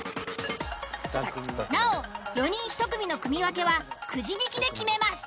なお４人１組の組分けはくじ引きで決めます。